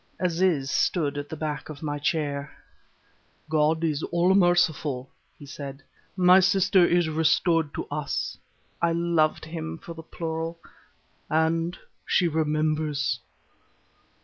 Aziz stood at the back of my chair. "God is all merciful," he said. "My sister is restored to us" (I loved him for the plural); "and she remembers."